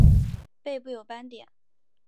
背部有斑点。